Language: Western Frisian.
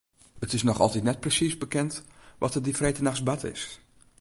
It is noch altyd net presiis bekend wat der dy freedtenachts bard is.